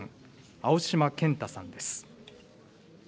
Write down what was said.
青島健太さんです。